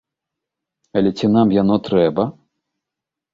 Але ці нам яно трэба?